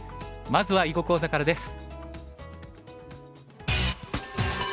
まずは囲碁講座からです。